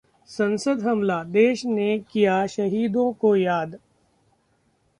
संसद हमला: देश ने किया शहीदों को याद